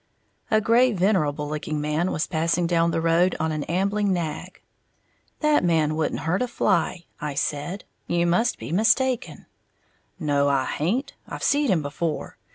A gray, venerable looking man was passing down the road on an ambling nag. "That man wouldn't hurt a fly," I said; "you must be mistaken." "No, I haint, I've seed him before.